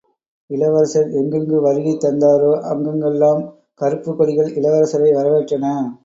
இளவரசர் எங்கெங்கு வருகை தந்தாரோ, அங்கங்கே எல்லாம் கருப்புக் கொடிகள் இளவரசரை வரவேற்றன.